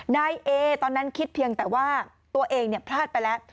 นายเอตอนนั้นคิดเพียงแต่ว่าตัวเองพลาดไปแล้ว